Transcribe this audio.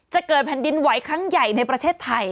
จะเกิดแผ่นดินไหวครั้งใหญ่ในประเทศไทย